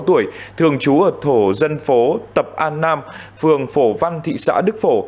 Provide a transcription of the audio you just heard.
ba mươi tuổi thường trú ở thổ dân phố tập an nam phường phổ văn thị xã đức phổ